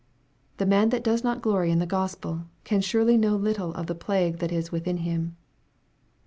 The man that does not glory in the Gospel, can surely know little of the plague that is within him.